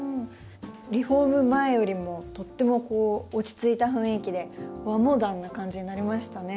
リフォーム前よりもとっても落ち着いた雰囲気で和モダンな感じになりましたね。